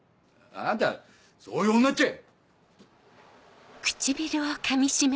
あんたはそういう女っちゃ！